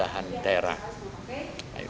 dari berbagai belahan daerah